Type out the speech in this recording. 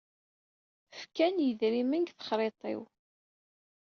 Kfan yedrimen deg texṛiṭ-iw.